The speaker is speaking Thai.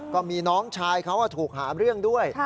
ก็มีน้องชายเขาถูกหาเรื่องด้วย